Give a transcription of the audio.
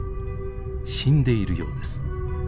死んでいるようです。